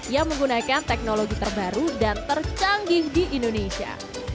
yang menggunakan teknologi terbaru dan tercanggih di indonesia